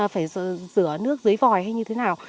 phải rửa nước dưới vòi hay như thế nào